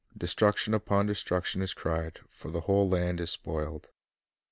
Destruc tion upon destruction is cried; for the whole land is spoiled."